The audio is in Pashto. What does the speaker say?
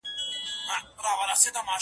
که دي زوی وي که دي ورور که دي بابا دی